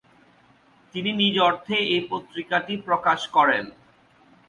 তিনি নিজ অর্থে এই পত্রিকাটি প্রকাশ করেন।